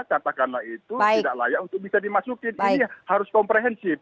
katakanlah itu tidak layak untuk bisa dimasukin ini harus komprehensif